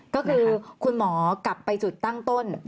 ก็คือคุณหมอกลับไปจุดตั้งต้น